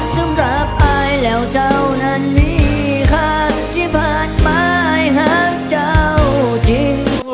สำหรับตายแล้วเจ้านั้นมีครั้งที่ผ่านมาหากเจ้าจริง